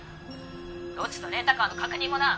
ロッジとレンタカーの確認もな！